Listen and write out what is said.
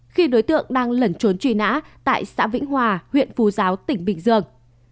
khi đối tượng đang lẩn trốn truy nã tại xã vĩnh hòa huyện phú giáo tỉnh bình dương